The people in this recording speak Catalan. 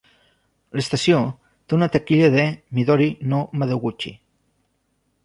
L'estació té una taquilla de "Midori no Madoguchi".